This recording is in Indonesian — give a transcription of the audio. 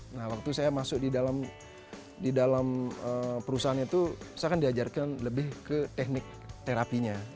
nah waktu saya masuk di dalam perusahaan itu saya akan diajarkan lebih ke teknik terapinya